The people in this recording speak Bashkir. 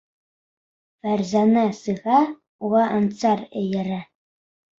Фәрзәнә сыға, уға Ансар эйәрә.